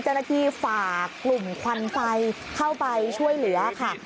เจ้าหน้าที่ฝากกลุ่มควันไฟเข้าไปช่วยเหลือค่ะ